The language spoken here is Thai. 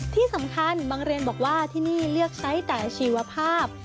ที่สำคัญบางเรียนบอกว่าที่นี่เลือกไซส์แต่ชีวภาพ